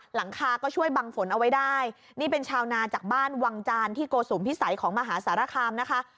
หลังคาก็ช่วยบังฝนเอาไว้ได้นี่เป็นชาวนาจากบ้านวังจานที่โกสุมพิสัยของมหาสารคามนะคะ